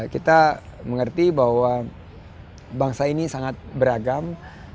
kita mengerti bahwa bangsa ini sangat beragam